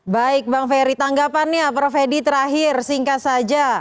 baik bang ferry tanggapannya prof fedy terakhir singkat saja